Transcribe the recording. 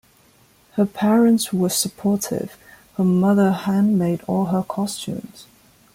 Her parents were supportive; her mother handmade all her costumes.